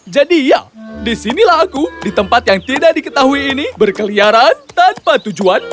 jadi ya disinilah aku di tempat yang tidak diketahui ini berkeliaran tanpa tujuan